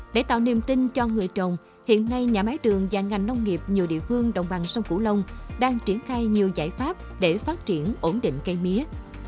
để tạo niềm tin cho người trồng hiện nay nhà máy đường và ngành nông nghiệp nhiều địa phương đồng bằng sông cửu long đang triển khai nhiều giải pháp để phát triển ổn định cây mía